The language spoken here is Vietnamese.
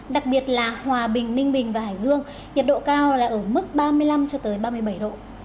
đặc biệt là hòa bình ninh bình và hải dương nhiệt độ cao là ở mức ba mươi năm ba mươi bảy độ